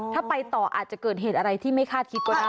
ถ้าไปต่ออาจจะเกิดเหตุอะไรที่ไม่คาดคิดก็ได้